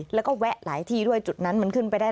แล้วก็แวะหลายที่ด้วยจุดนั้นมันขึ้นไปได้